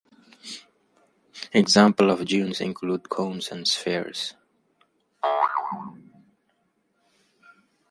Examples of geons include cones and spheres.